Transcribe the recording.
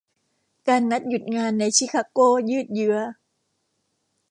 การนัดหยุดงานในชิคาโกยืดเยื้อ